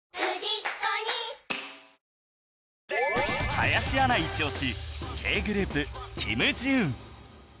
林アナイチオシ Ｋ グループキム・ジウン